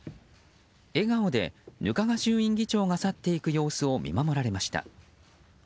笑顔で額賀衆院議長が去っていく様子を見守られました。